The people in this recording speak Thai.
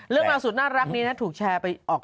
เรื่องราวสุดน่ารักนี้นะถูกแชร์ไปออก